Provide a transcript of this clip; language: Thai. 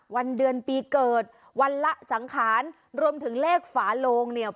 วันเดือนปีเกิดวันละสังขารรวมถึงเลขฝาโลงเนี่ย